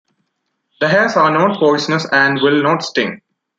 The hairs are not poisonous and will not sting.